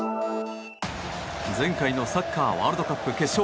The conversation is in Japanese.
前回のサッカーワールドカップ決勝